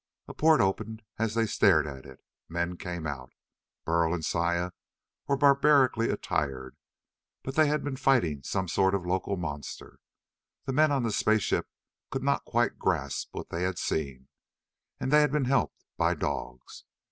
A port opened as they stared at it. Men came out. Burl and Saya were barbarically attired, but they had been fighting some sort of local monster the men on the space ship could not quite grasp what they had seen and they had been helped by dogs.